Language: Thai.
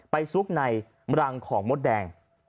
ซุกในรังของมดแดง